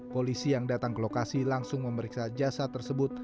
polisi yang datang ke lokasi langsung memeriksa jasad tersebut